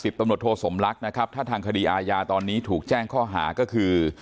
ตำรวจโทสมลักษณ์นะครับถ้าทางคดีอาญาตอนนี้ถูกแจ้งข้อหาก็คือ